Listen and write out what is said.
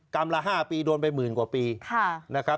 กรรมละ๕ปีโดนไป๑๐๐๐๐กว่าปีนะครับ